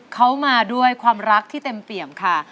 เขามาด้วยความรักที่เต็มเปี่ยมค่ะ